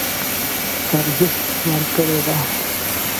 ترجېح ورکړې ده.